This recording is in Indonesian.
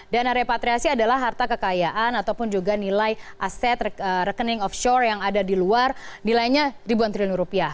dana repatriasi adalah harta kekayaan ataupun juga nilai aset rekening offshore yang ada di luar nilainya ribuan triliun rupiah